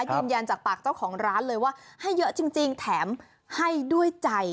ยืนยันจากปากเจ้าของร้านเลยว่าให้เยอะจริงแถมให้ด้วยใจ